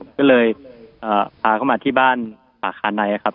ก็เลยพาเขามาที่บ้านปากคาไนครับ